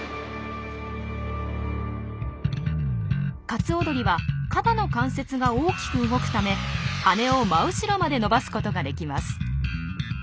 カツオドリは肩の関節が大きく動くため羽を真後ろまで伸ばすことができます。